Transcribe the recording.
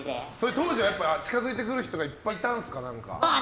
当時は近づいてくる人がいっぱいいたんですか？